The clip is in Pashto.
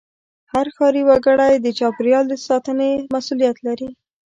هر ښاري وګړی د چاپېریال ساتنې مسوولیت لري.